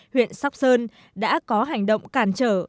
huyện sóc sơn đã có hành động cản trở